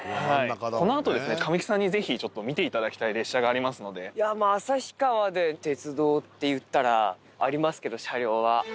このあと神木さんにぜひ、ちょっと見ていただきたい列車が旭川で鉄道っていったら、ありますけど、車両は。